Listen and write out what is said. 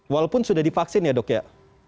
walaupun sudah divaksin ya dok ya